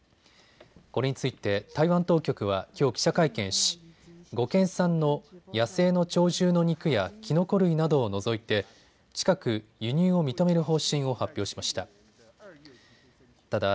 これについて台湾当局はきょう記者会見し５県産の野生の鳥獣の肉やきのこ類などを除いて近く輸入を認める方針を発表しました。